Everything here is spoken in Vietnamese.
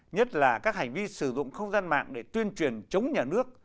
nhất là các hành vi sử dụng không gian mạng để tuyên truyền chống nhà nước